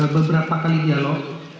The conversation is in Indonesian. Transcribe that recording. beberapa kali dialog